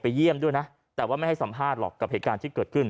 เยี่ยมด้วยนะแต่ว่าไม่ให้สัมภาษณ์หรอกกับเหตุการณ์ที่เกิดขึ้น